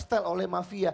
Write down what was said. diterima oleh mafia